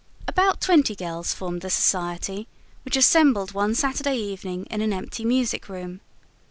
About twenty girls formed the Society, which assembled one Saturday evening in an empty music room.